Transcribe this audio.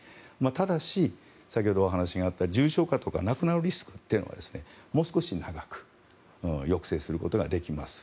ただし、先ほどお話があった重症化とか亡くなるリスクというのはもう少し長く抑制することができます。